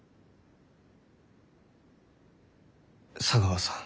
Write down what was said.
茶川さん。